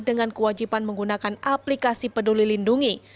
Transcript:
dengan kewajiban menggunakan aplikasi peduli lindungi